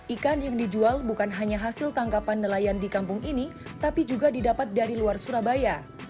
ikan yang dijual bukan hanya hasil tangkapan nelayan di kampung ini tapi juga didapat dari luar surabaya